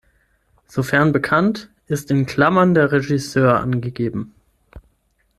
Sofern bekannt, ist in Klammern der Regisseur angegeben.